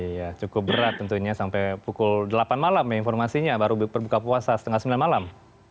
iya cukup berat tentunya sampai pukul delapan malam ya informasinya baru berbuka puasa setengah sembilan malam